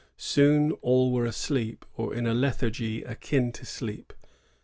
Soon all were asleep, or in 'a lethargy akin to sleep.